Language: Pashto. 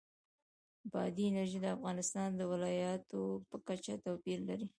بادي انرژي د افغانستان د ولایاتو په کچه توپیر لري.